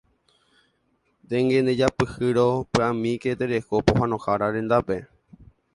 Dengue ndejapyhýrõ pya'emíke tereho pohãnohára rendápe.